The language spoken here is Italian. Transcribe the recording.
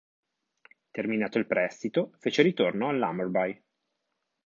Terminato il prestito, fece ritorno all'Hammarby.